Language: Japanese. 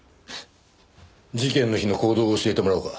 事件の日の行動を教えてもらおうか。